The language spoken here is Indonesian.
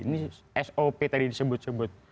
ini sop tadi disebut sebut